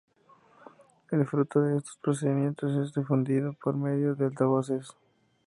El fruto de estos procedimientos es difundido por medio de altavoces.